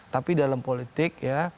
tapi dalam politik ya